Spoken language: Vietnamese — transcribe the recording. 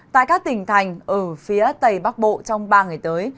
tại các tỉnh thành ở phía tây bắc bộ trong ba ngày tới